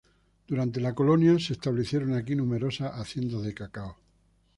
Durante la Colonia se establecieron aquí numerosas haciendas de cacao.